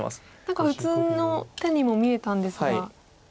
何か普通の手にも見えたんですが。